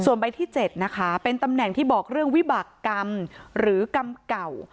ใบที่๗นะคะเป็นตำแหน่งที่บอกเรื่องวิบากรรมหรือกรรมเก่า